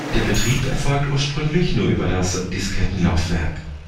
Der Betrieb erfolgt ursprünglich nur über das Diskettenlaufwerk.